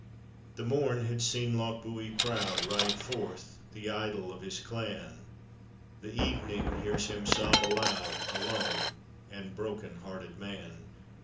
The morn had seen Lochbuie proud Ride forth, the idol of his clan ; The evening hears him sob aloud, A lone and broken hearted man.